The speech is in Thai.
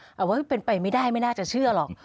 แต่ว่าเป็นไปไม่ได้ไม่น่าจะเชื่อหรอก